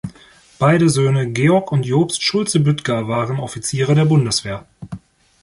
Beide Söhne, Georg und Jobst Schulze-Büttger, waren Offiziere der Bundeswehr.